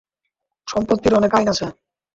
সম্পত্তির অনেক আইন আছে।